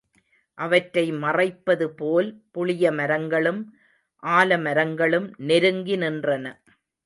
அவற்றை மறைப்பதுபோல், புளியமரங்களும், ஆல மரங்களும் நெருங்கி நின்றன.